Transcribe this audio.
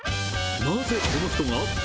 なぜこの人が？